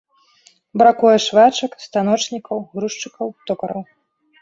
Бракуе швачак, станочнікаў, грузчыкаў, токараў.